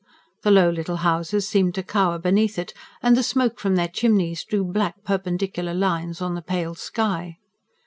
The low little houses seemed to cower beneath it; and the smoke from their chimneys drew black, perpendicular lines on the pale sky.